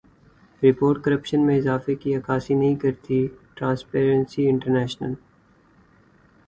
report corruption میں اضافے کی عکاسی نہیں کرتی ٹرانسپیرنسی انٹرنیشنل